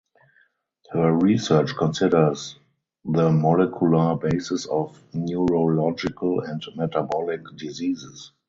Her research considers the molecular basis of neurological and metabolic diseases.